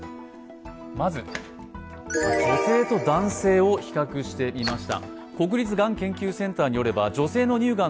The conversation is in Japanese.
まず、女性と男性を比較してみました。